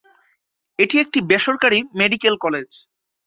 এটি একটি বেসরকারি মেডিকেল কলেজ।